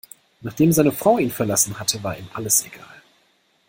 Nachdem seine Frau ihn verlassen hatte, war ihm alles egal.